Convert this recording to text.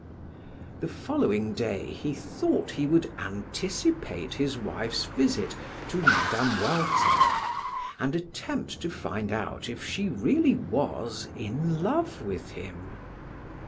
The following day he thought he would anticipate his wife's visit to Mme. Walter and attempt to find out if she really was in love with him.